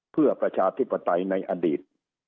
เพื่อประชาธิปไตยในอดีต